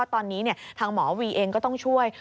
ตอนนี้ทางหมอวีเองก็ต้องช่วย